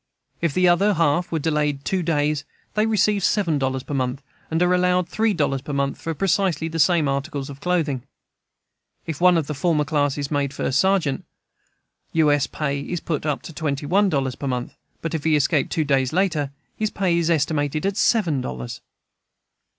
If the other half were delayed two days, they receive seven dollars per month and are allowed three dollars per month for precisely the same articles of clothing. If one of the former class is made first sergeant, Us pay is put up to twenty one dollars per month; but if he escaped two days later, his pay is still estimated at seven dollars.